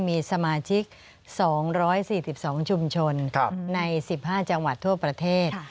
มีสมาชิก๒๔๒ชุมชนใน๑๕จังหวัดทั่วประเทศ